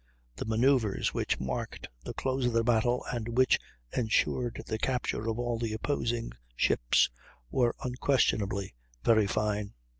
The manoeuvres which marked the close of the battle, and which ensured the capture of all the opposing ships, were unquestionably very fine.